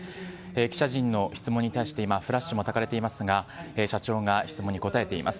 記者陣の質問に対して今、フラッシュもたかれていますが、社長が質問に答えています。